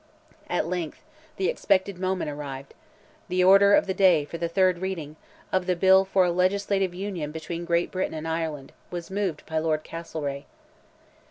"At length, the expected moment arrived: the order of the day for the third reading of the bill for a 'legislative union between Great Britain and Ireland' was moved by Lord Castlereagh.